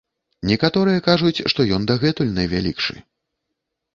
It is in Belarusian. Некаторыя кажуць, што ён дагэтуль найвялікшы.